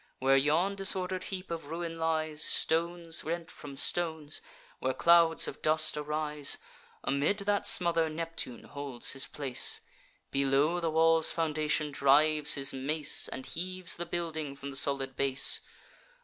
Where yon disorder'd heap of ruin lies, Stones rent from stones; where clouds of dust arise, Amid that smother Neptune holds his place, Below the wall's foundation drives his mace, And heaves the building from the solid base.